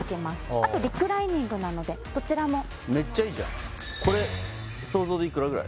あとリクライニングなのでどちらもメッチャいいじゃんこれ想像でいくらぐらい？